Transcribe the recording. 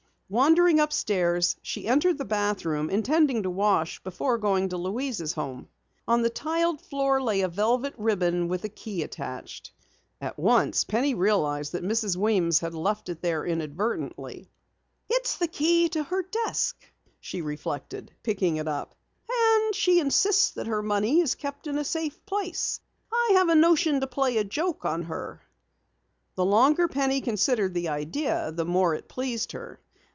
Wandering upstairs, she entered the bathroom, intending to wash before going to Louise's home. On the tiled floor lay a velvet ribbon with a key attached. At once, Penny realized that Mrs. Weems had left it there inadvertently. "It's the key to her desk," she reflected, picking it up. "And she insists that her money is kept in a safe place! I have a notion to play a joke on her." The longer Penny considered the idea, the more it pleased her.